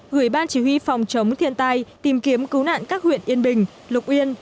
gửi ban chỉ huy phòng chống thiên tai tìm kiếm cứu nạn các huyện yên bình lục yên